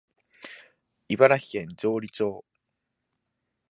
茨城県城里町